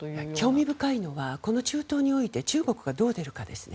興味深いのはこの中東において中国がどう出るかですね。